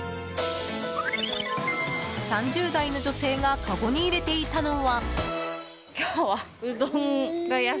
３０代の女性がかごに入れていたのは。